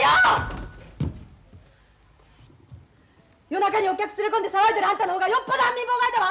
夜中にお客連れ込んで騒いでるあんたの方がよっぽど安眠妨害だわ！